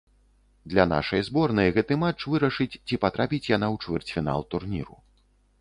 Для нашай зборнай гэты матч вырашыць, ці патрапіць яна ў чвэрцьфінал турніру.